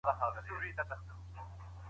حکومتونه تل د انفلاسیون د کنټرول هڅه کوي.